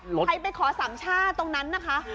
ใครไปขอสามชาติตรงนั้นนะคะ